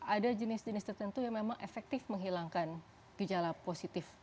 ada jenis jenis tertentu yang memang efektif menghilangkan gejala positif